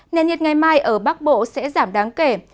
nền nhiệt ngày mai ở bắc bộ sẽ giảm đáng kể